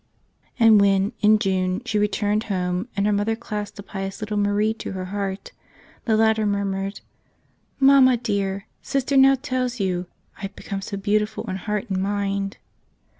And when, in June, she returned home and her mother clasped a pious little Marie to her heart, the latter murmured, "Mamma dear, Sister now tells you I've become so beautiful in heart and mind.